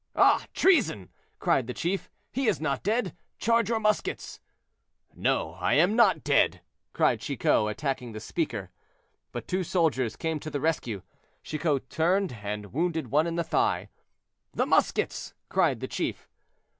"Ah! treason!" cried the chief, "he is not dead; charge your muskets." "No, I am not dead," cried Chicot, attacking the speaker. But two soldiers came to the rescue; Chicot turned and wounded one in the thigh. "The muskets!" cried the chief.